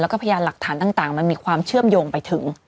แล้วก็พยานหลักฐานต่างมันมีความเชื่อมโยงไปถึง